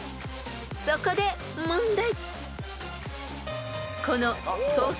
［そこで問題］